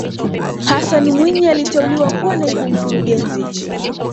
hassan mwinyi aliteuliwa kuwa naibu mkurugenzi